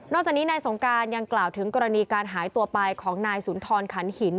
จากนี้นายสงการยังกล่าวถึงกรณีการหายตัวไปของนายสุนทรขันหิน